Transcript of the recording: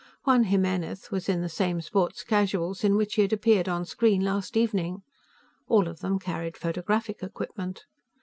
Juan Jimenez was in the same sports casuals in which he had appeared on screen last evening. All of them carried photographic equipment.